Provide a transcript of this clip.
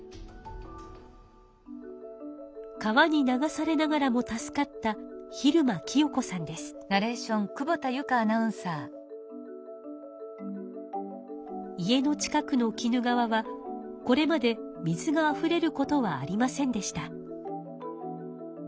川に流されながらも助かった家の近くの鬼怒川はこれまで水があふれることはありませんでした。